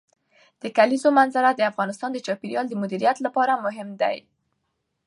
د کلیزو منظره د افغانستان د چاپیریال د مدیریت لپاره مهم دي.